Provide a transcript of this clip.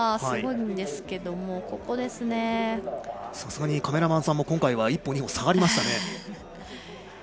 さすがにカメラマンさんも今回は１歩、２歩下がりましたね。